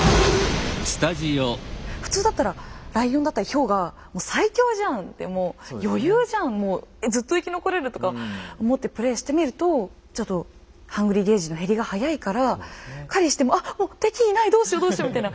普通だったらライオンだったりヒョウが最強じゃんってもう余裕じゃんもうずっと生き残れるとか思ってプレイしてみるとちょっと「ＨＵＮＧＲＹ」ゲージの減りが早いから狩りしても「あっもう敵いないどうしよどうしよ」みたいな。